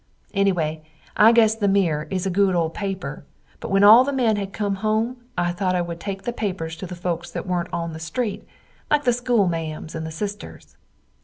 Enneway I guess the Mirror is a good ole paper, when all the men had come home I thot I wood take the papers to the folks that wernt on the street, like the schoolmaams and the sisters.